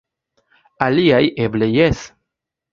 Aliaj eble jes.